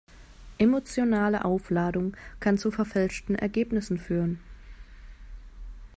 Emotionale Aufladung kann zu verfälschten Ergebnissen führen.